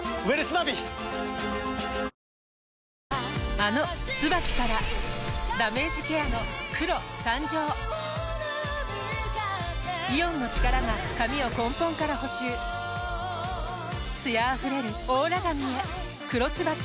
あの「ＴＳＵＢＡＫＩ」からダメージケアの黒誕生イオンの力が髪を根本から補修艶あふれるオーラ髪へ「黒ＴＳＵＢＡＫＩ」